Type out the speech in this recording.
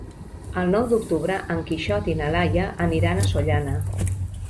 El nou d'octubre en Quixot i na Laia aniran a Sollana.